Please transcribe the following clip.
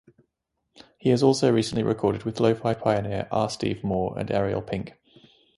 He also has recently recorded with lo-fi pioneer R. Stevie Moore and Ariel Pink.